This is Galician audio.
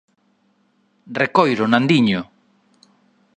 _¡Recoiro, Nandiño!